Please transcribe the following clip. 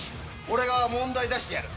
俺が問題出してやる。